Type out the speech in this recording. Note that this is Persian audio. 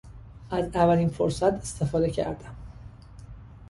از اولین فرصت استفاده کردم.